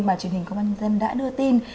mà truyền hình công an dân đã đưa tin